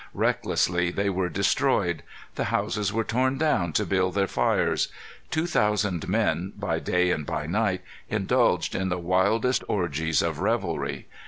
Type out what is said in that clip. Recklessly they were destroyed. The houses were torn down to build their fires. Two thousand men, by day and by night, indulged in the wildest orgies of revelry.